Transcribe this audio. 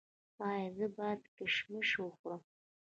ایا زه باید کشمش وخورم؟